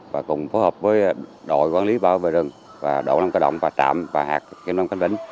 và cùng phối hợp với đội quản lý bảo vệ rừng và đội lâm cơ động và trạm và hạt kiên nông khánh vĩnh